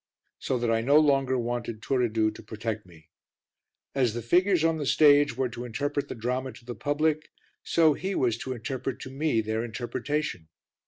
So that I no longer wanted Turiddu to protect me. As the figures on the stage were to interpret the drama to the public, so he was to interpret to me their interpretation.